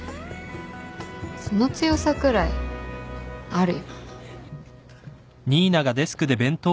その強さくらいあるよ。